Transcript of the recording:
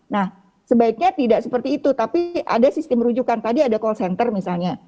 nah sebaiknya tidak seperti itu tapi ada sistem rujukan tadi ada call center misalnya